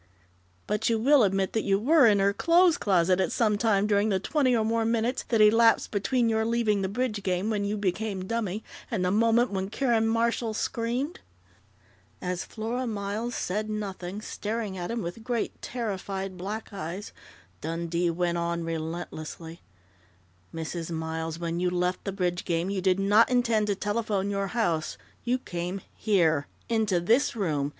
"But you will admit that you were in her clothes closet at some time during the twenty or more minutes that elapsed between your leaving the bridge game, when you became dummy, and the moment when Karen Marshall screamed?" As Flora Miles said nothing, staring at him with great, terrified black eyes, Dundee went on relentlessly: "Mrs. Miles, when you left the bridge game, you did not intend to telephone your house. You came here into this room!